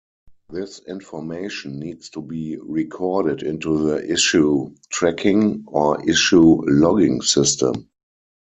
This information needs to be recorded into the issue tracking or issue logging system.